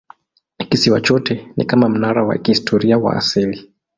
Kisiwa chote ni kama mnara wa kihistoria wa asili.